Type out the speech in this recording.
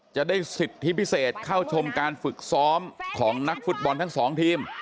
จะได้สิทธิพิเศษเข้าชมการฝึกซ้อมของนักฟุตบอลทั้งสองทีม